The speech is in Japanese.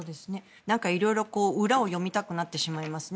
色々、裏を読みたくなってしまいますね。